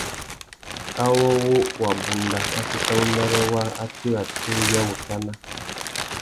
Awô wabunda wa séssamú mbêrê waā, a tira tsungüiawutana.